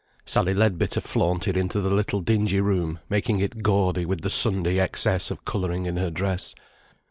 Sally Leadbitter flaunted into the little dingy room, making it gaudy with the Sunday excess of colouring in her dress.